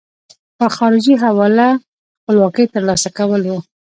په خارجي حواله خپلواکۍ ترلاسه کول وو.